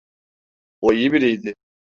O iyi biriydi.